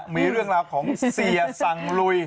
มีเรื่องราวของเสียสังลุย